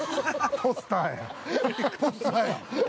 ポスターや。